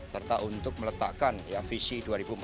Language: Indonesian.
serta untuk meletakkan visi dua ribu empat puluh lima